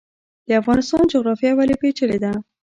د افغانستان جغرافیا ولې پیچلې ده؟